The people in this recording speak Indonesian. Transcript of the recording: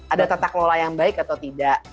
ada tetak lola yang baik atau tidak